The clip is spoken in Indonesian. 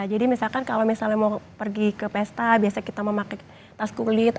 jadi misalkan kalau misalnya mau pergi ke pesta biasanya kita mau pakai tas kulit